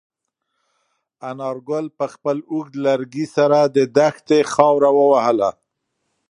انارګل په خپل اوږد لرګي سره د دښتې خاوره ووهله.